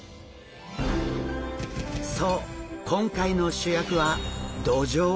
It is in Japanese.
そう今回の主役はドジョウ。